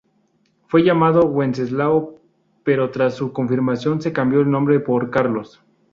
Fue llamado Wenceslao, pero tras su confirmación se cambió el nombre por Carlos.